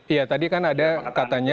iya tadi kan ada katanya